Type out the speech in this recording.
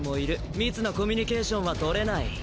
密なコミュニケーションは取れない。